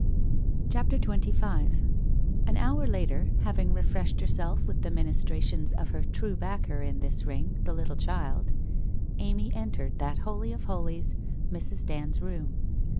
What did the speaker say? CHAPTER XXV An hour later, having refreshed herself with the ministra tions of her true backer in this ring, the little child, Amy entered that holy of holies, Mrs. Dand's room.